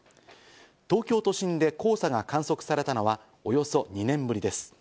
東京都心で黄砂が観測されたのはおよそ２年ぶりです。